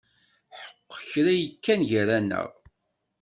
Aḥeq kra yekkan gar-aneɣ.